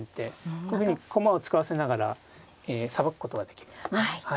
こういうふうに駒を使わせながらさばくことができますね。